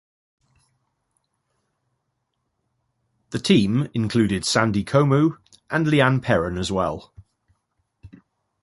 The team included Sandy Comeau and Leanne Perron as well.